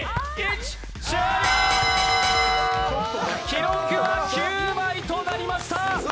記録は９枚となりました。